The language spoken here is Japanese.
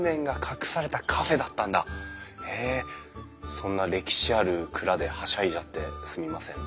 そんな歴史ある蔵ではしゃいじゃってすみません。